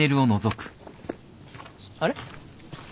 あれ？